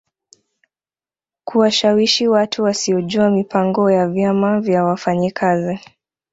Kuwashawishi watu wasiojua mipango ya vyama vya wafanyakazi